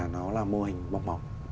nó là mô hình bóng bóng